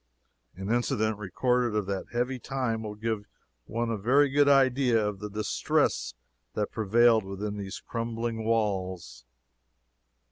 An incident recorded of that heavy time will give one a very good idea of the distress that prevailed within these crumbling walls.